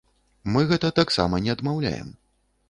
Мы гэта таксама не адмаўляем.